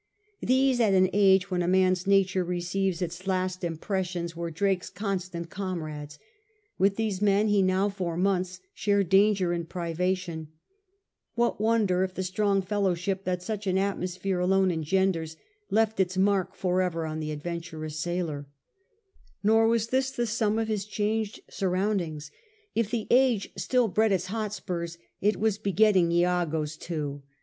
These, at an age when a man's nature receives its last impressions, were Drake's constant comrades ; with these men he now for months shared danger and privation ; what wonder if the strong fellow ship that such an atmosphere alone engenders left its mark for ever on the adventurous sailor 1 Nor was this the sum of his changed surroundings. 1 Earl. MSS, 640, foL 103, b. S. P. Ireland, liiL 49. S. P. Ireland (Folios) vol.